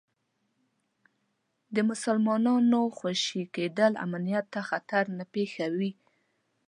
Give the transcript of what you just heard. د مسلمانانو خوشي کېدل امنیت ته خطر نه پېښوي.